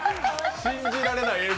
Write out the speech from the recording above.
信じられない映像。